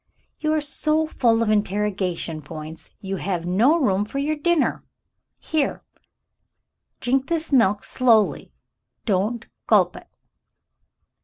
"You are so full of interrogation points you have no room for your dinner. Here — (Ji'ink this milk — slowly ; don't gulp it."